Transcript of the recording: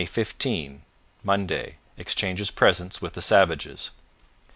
15 Monday Exchanges presents with the savages.